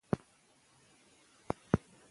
ګټه بېرته راستانه شوه.